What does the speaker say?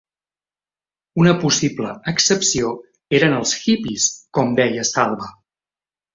Una possible excepció eren els "hippies", com deia Salva.